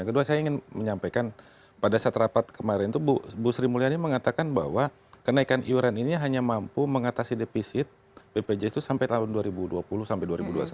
kedua saya ingin menyampaikan pada saat rapat kemarin itu bu sri mulyani mengatakan bahwa kenaikan iuran ini hanya mampu mengatasi defisit bpjs itu sampai tahun dua ribu dua puluh sampai dua ribu dua puluh satu